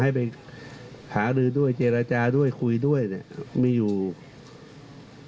ให้ไปหารือด้วยเจรจาด้วยคุยด้วยเนี่ยมีอยู่